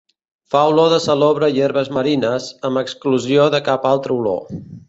Fa olor de salobre i herbes marines, amb exclusió de cap altra olor.